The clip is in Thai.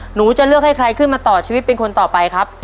หนูจะเลือกให้ใครขึ้นมาต่อชีวิตเป็นคนต่อไปครับ